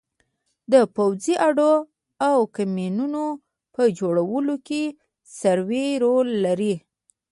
د پوځي اډو او کمینونو په جوړولو کې سروې رول لري